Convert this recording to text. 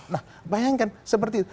nah bayangkan seperti itu